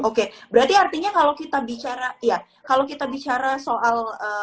oke berarti artinya kalau kita bicara soal